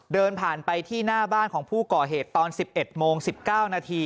เดินผ่านไปที่หน้าบ้านของผู้ก่อเหตุตอน๑๑โมง๑๙นาที